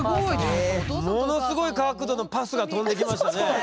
ものすごい角度のパスが飛んできましたね。